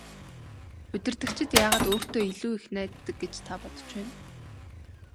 Удирдагчид яагаад өөртөө илүү их найддаг гэж та бодож байна?